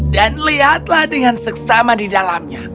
dan lihatlah dengan seksama di dalamnya